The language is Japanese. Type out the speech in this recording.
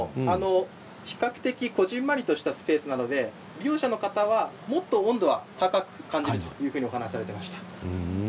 比較的こぢんまりとしたスペースなので利用者の方は温度を高く感じるというふうに話されていました。